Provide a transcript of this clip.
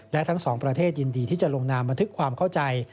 และทั้งสองประเทศยินดีที่จะลงนามบันทึกความเข้าใจ